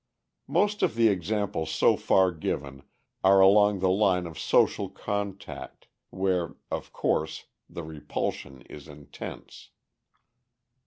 Most of the examples so far given are along the line of social contact, where, of course, the repulsion is intense.